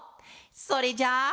それじゃあ。